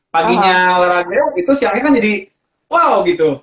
paginya olahraga itu siangnya kan jadi wow gitu